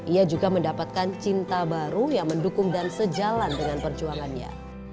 ia juga mendapatkan cinta baru yang mendukung dan sejalan dengan perjuangannya